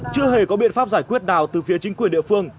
chưa hề có biện pháp giải quyết nào từ phía chính quyền địa phương